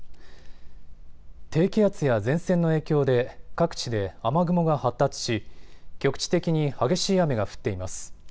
低気圧や前線の影響で各地で雨雲が発達し、局地的に激しい雨が降っています。